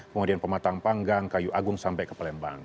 kemudian pematang panggang kayu agung sampai ke pelembang